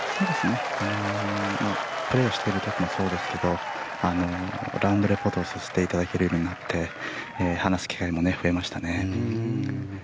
プレーをしている時もそうですけどラウンドリポートをさせていただくようになって話す機会も増えましたね。